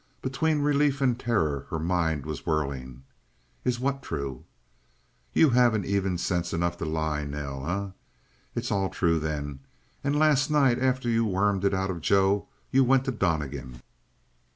Between relief and terror her mind was whirling. "Is what true?" "You haven't even sense enough to lie, Nell, eh? It's all true, then? And last night, after you'd wormed it out of Joe, you went to Donnegan?"